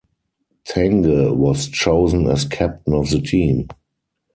Tange was chosen as captain of the team.